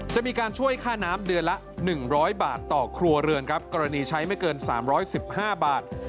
จะมีการช่วยค่าน้ำเดือนละ๑๐๐บาทต่อครัวเรือนครับกรณีใช้ไม่เกิน๓๑๕บาท